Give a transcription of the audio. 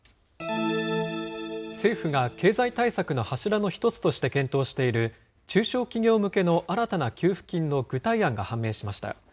政府が経済対策の柱の一つとして検討している、中小企業向けの新たな給付金の具体案が判明しました。